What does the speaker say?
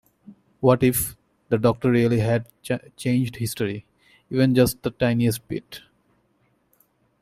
What if... the Doctor really had changed history, even just the tiniest bit?